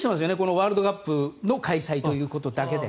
ワールドカップの開催ということだけで。